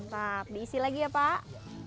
pak diisi lagi ya pak